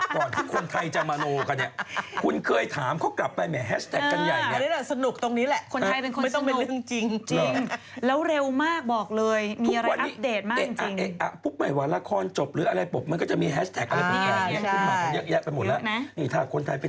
มันจะต้องเป็นประเทศที่จะต้องประกาศไลน์ขึ้น